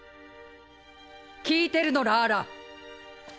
聞いてるのラーラ⁉